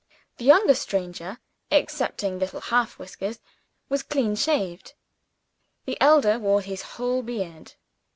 The younger stranger (excepting little half whiskers) was clean shaved. The elder wore his whole beard.